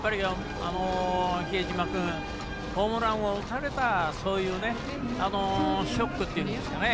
比江島君ホームランを打たれたそういうショックっていうんですかね